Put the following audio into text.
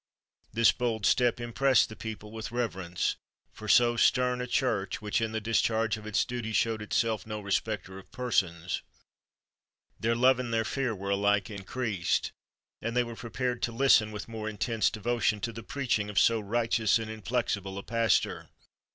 This bold step impressed the people with reverence for so stern a Church, which in the discharge of its duty shewed itself no respecter of persons. Their love and their fear were alike increased, and they were prepared to listen with more intense devotion to the preaching of so righteous and inflexible a pastor.